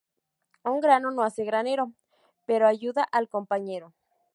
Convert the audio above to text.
Un grano no hace granero, pero ayuda al compañero